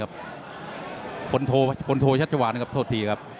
คนโทชัชวานนะครับโทษทีครับ